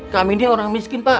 kami dia orang miskin pak